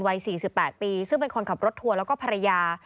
วัย๔๘ปีซึ่งเป็นคนขับรถทัวร์แล้วก็ภรรยา